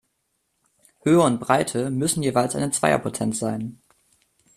Höhe und Breite müssen jeweils eine Zweierpotenz sein.